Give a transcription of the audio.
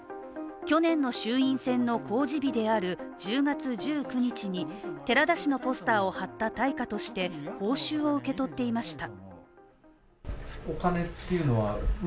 去年の衆院選の公示日である１０月１９日に寺田氏のポスターを貼った対価として報酬を受け取っていました。